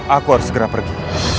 aku harus segera pergi